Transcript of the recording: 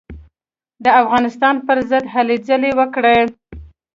د افغانستان پر ضد هلې ځلې وکړې.